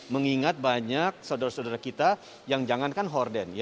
mengingat banyak saudara saudara kita yang jangankan horden